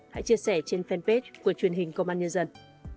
hãy chia sẻ trên fanpage của truyền hình công an nhân dân